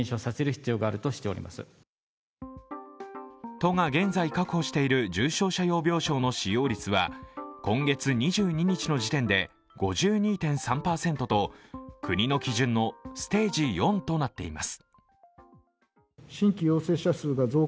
都が現在確保している重症者用病床の使用率は今月２２日の時点で５２．３％と国の基準のステージ４となっています。